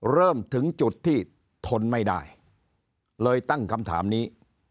เริ่มถึงจุดที่ทนไม่ได้เลยตั้งคำถามนี้